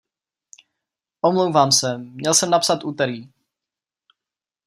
Omlouvám se, měl jsem napsat úterý.